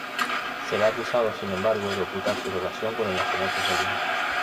Se le ha acusado, sin embargo, de ocultar su relación con el nacionalsocialismo.